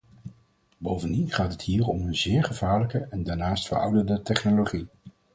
Bovendien gaat het hier om een zeer gevaarlijke en daarnaast verouderde technologie.